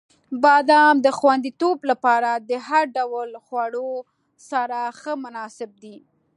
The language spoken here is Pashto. • بادام د خوندیتوب لپاره د هر ډول خواړو سره ښه مناسب دی.